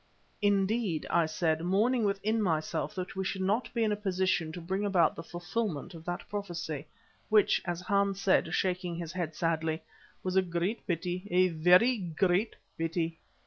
"Indeed," I said, mourning within myself that we should not be in a position to bring about the fulfilment of that prophecy, which, as Hans said, shaking his head sadly, "was a great pity, a very great pity!"